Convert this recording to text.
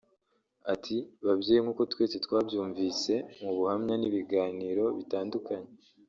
Ati “ Babyeyi nk’uko twese twabyumvise mu buhamya n’ibiganiro bitandukanye